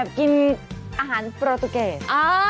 แอบกินอาหารประตูเกส